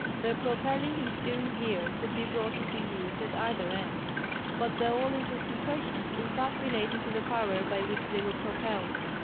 Their propelling and steering gear could be brought into use at either end. But the all interesting question is that relating to the power by which they were propelled.